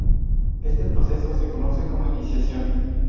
Este proceso se conoce como iniciación.